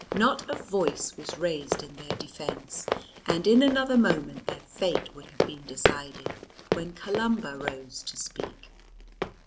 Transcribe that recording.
Not a voice was raised in their defence, and in another moment their fate would have been decided, when Columba rose to speak.